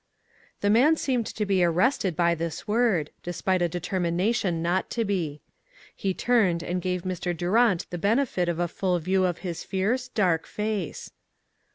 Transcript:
The man seemed to be arrested by this word, despite a determination not to be. He turned and gave Mr. Durant the benefit of a full view of his fierce, dark face.